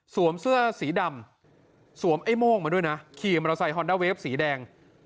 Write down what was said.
สวมเสื้อสีดำสวมไอ้โม่งมาด้วยนะขี่มาเราใส่ฮอนดาเวฟสีแดง